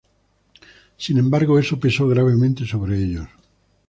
Sin embargo, eso pesó gravemente sobre ellos.